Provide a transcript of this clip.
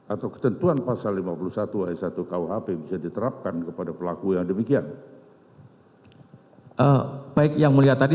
atau ketentuan pasal lima puluh satu ayat satu kuhp bisa diterapkan kepada pelaku yang demikian hai baik yang mulia tadi